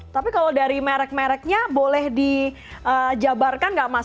tapi kalau dari merek mereknya boleh dijabarkan nggak mas